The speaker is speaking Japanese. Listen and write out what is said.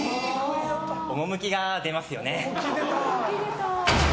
趣きが出ますよね。